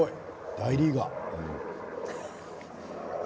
大リーガー。